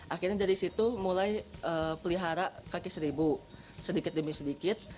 akhirnya dari situ mulai pelihara kaki seribu sedikit demi sedikit